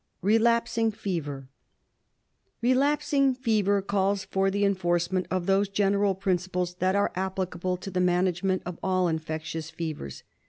Relapsing Fever. Relapsing Fever calls for the enforcement of those general principles that are applicable to the management of all infectious fevers.